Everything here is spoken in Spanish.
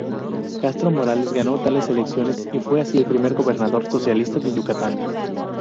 Castro Morales ganó tales elecciones y fue así el primer gobernador socialista de Yucatán.